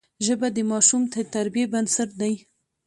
ژبه د ماشوم د تربیې بنسټ دی